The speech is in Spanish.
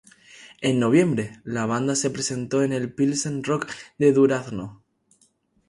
En noviembre, la banda se presentó en el Pilsen Rock de Durazno.